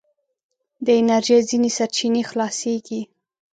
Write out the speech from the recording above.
د انرژي ځينې سرچينې خلاصیږي.